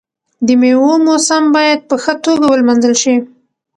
د میوو موسم باید په ښه توګه ولمانځل شي.